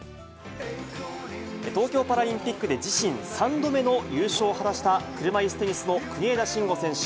東京パラリンピックで自身３度目の優勝を果たした車いすテニスの国枝慎吾選手。